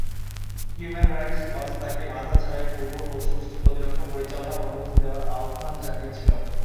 Human Rights Watch তাকে বাধা ছাড়াই পুরো ও সুষ্ঠু প্রতিরক্ষা পরিচালনার অনুমতি দেওয়ার আহ্বান জানিয়েছিল।